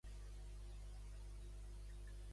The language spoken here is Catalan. Ens fotem una mariscada gloriosa.